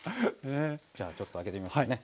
じゃあちょっと開けてみましょうね。